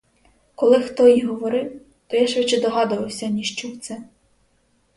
Коли хто й говорив, то я швидше догадувався, ніж чув це.